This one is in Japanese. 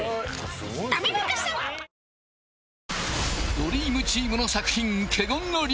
ドリームチームの作品「華厳の龍」